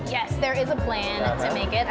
ya ada pelan untuk membuatnya